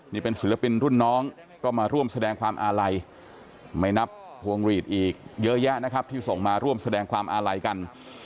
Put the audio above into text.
นี่เป็นศิลปินรุ่นน้องก็มาร่วมแสดงความอาลัยไม่นับพวงหลีดอีกเยอะแยะนะครับที่ส่งมาร่วมแสดงความอาลัยกัน